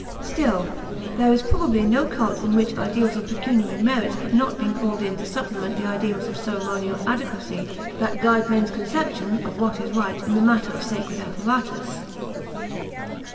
Still, there is probably no cult in which ideals of pecuniary merit have not been called in to supplement the ideals of ceremonial adequacy that guide men's conception of what is right in the matter of sacred apparatus.